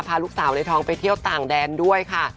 พาลูกสาวในท้องไปเที่ยวต่างแดนด้วยค่ะ